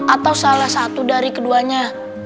atau salah satu dari keduanya